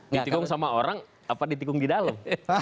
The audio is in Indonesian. ditikung sama orang apa ditikung di dalam